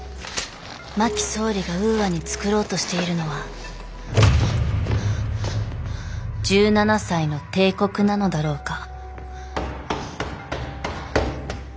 真木総理がウーアに創ろうとしているのは１７才の帝国なのだろうか。